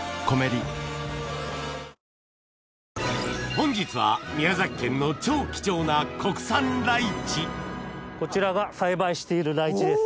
本日は宮崎県の超貴重なこちらが栽培しているライチです。